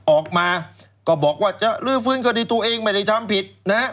ออกมาก็บอกว่าจะลื้อฟื้นคดีตัวเองไม่ได้ทำผิดนะฮะ